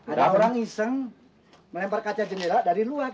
ada orang iseng melempar kaca jendela dari luar